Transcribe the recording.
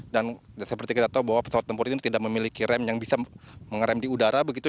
dan seperti kita tahu bahwa pesawat tempur ini tidak memiliki rem yang bisa mengerem di udara begitu